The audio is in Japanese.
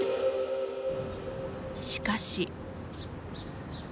しかし。